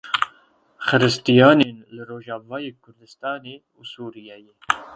Xiristiyanên li Rojavayê Kurdistanê û Sûriyeyê.